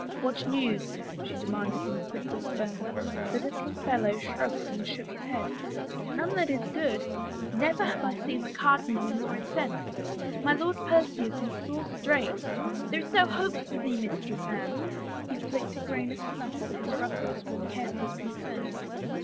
"What news?" she demanded in a quick whisper. The little fellow shrugged and shook his head. None that is good. Never have I seen the cardinal 8 17 i THE FAVOR OF KINGS more incensed. My Lord Percy is in sore straits. There is no hope for thee, Mistress Anne." He flicked a grain of snuflF off his ruffles with careful concern.